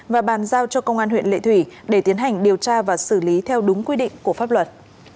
và bàn giao cho công an huyện lệ thủy để tiến hành điều tra và xử lý theo đúng quy định của pháp luật